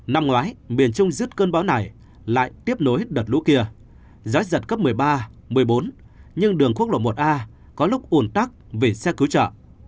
năm ngoái miền trung rứt cơn bão này lại tiếp nối đợt lũ kia gió giật cấp một mươi ba một mươi bốn nhưng đường quốc lộ một a có lúc ồn tắc về xe cứu trợ